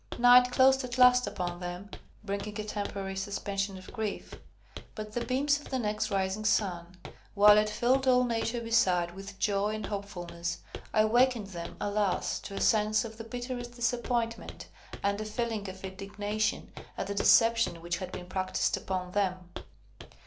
Night closed at last upon them, bringing a temporary suspension of grief; but the beams of the next rising sun, while it filled all nature beside with joy and hopefulness, awakened them, alas! to a sense of the bitterest disappointment, and a feeling of indignation at the deception which had been practised upon them.